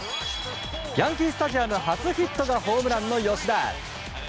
ヤンキー・スタジアム初ヒットがホームランの吉田。